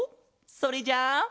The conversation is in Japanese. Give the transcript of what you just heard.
それじゃあ。